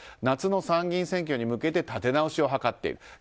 夏の参議院選挙に向けて立て直しを図っている。